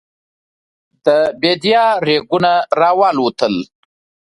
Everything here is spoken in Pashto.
د بېدیا رېګون راوالوتل.